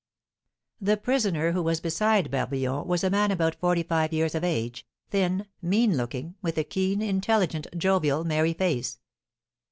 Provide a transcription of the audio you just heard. The prisoner who was beside Barbillon was a man about forty five years of age, thin, mean looking, with a keen, intelligent, jovial, merry face.